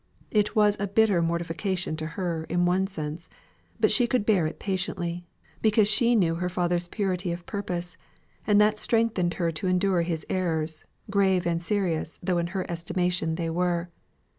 It was a bitter mortification to her in one sense; but she could bear it patiently, because she knew her father's purity of purpose, and that strengthened her to endure his errors, grave and serious though in her estimation they were.